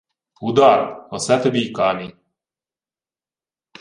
— Удар! Осе тобі й камінь.